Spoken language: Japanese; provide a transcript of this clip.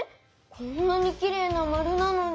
こんなにきれいなまるなのに？